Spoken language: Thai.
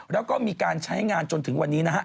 แล้วก็มีการใช้งานจนถึงวันนี้นะฮะ